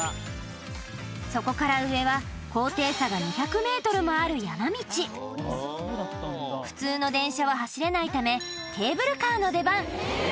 そこから上は高低差が２００ｍもある山道普通の電車は走れないための出番！